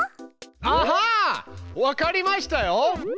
アハわかりましたよ！